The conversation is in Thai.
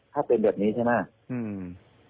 ถ้าเป็นแบบนี้ใช่ไหม